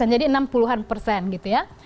jadi enam puluhan persen gitu ya